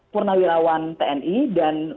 purnawirawan tni dan